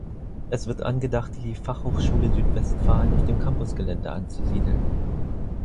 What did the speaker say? Es wird angedacht, die Fachhochschule Südwestfalen auf dem Campusgelände anzusiedeln.